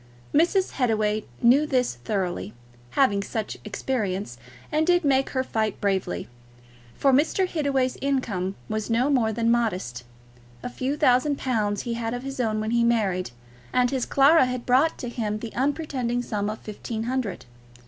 Mrs. Hittaway knew this thoroughly, having much experience, and did make her fight bravely. For Mr. Hittaway's income was no more than modest. A few thousand pounds he had of his own when he married, and his Clara had brought to him the unpretending sum of fifteen hundred.